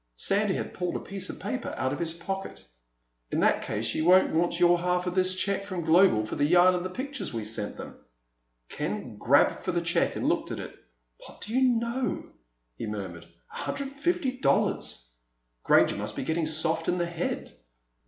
Sandy had pulled a piece of paper out of his pocket. "In that case you won't want your half of this check from Global for the yarn and the pictures we sent them." Ken grabbed for the check and looked at it. "What do you know!" he murmured. "A hundred and fifty dollars! Granger must be getting soft in the head."